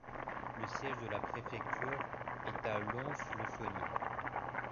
Le siège de la préfecture est à Lons-le-Saunier.